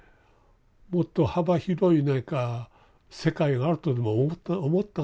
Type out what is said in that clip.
もっと幅広い何か世界があるとでも思ったんでしょうか。